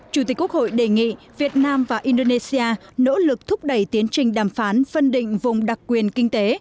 chủ tịch quốc hội đề nghị việt nam và indonesia nỗ lực thúc đẩy tiến trình đàm phán phân định vùng đặc quyền kinh tế